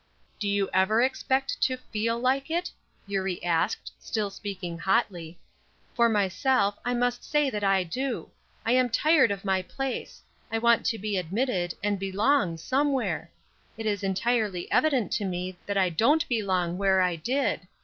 "Do you ever expect to feel like it?" Eurie asked, still speaking hotly. "For myself, I must say that I do. I am tired of my place; I want to be admitted, and belong, somewhere. It is entirely evident to me that I don't belong where I did.